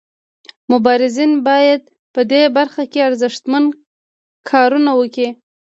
مبارزین باید په دې برخه کې ارزښتمن کارونه وکړي.